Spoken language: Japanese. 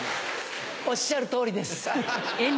おっしゃる通りです。